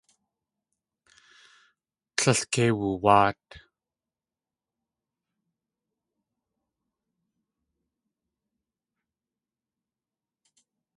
Tlél kei wuwáat.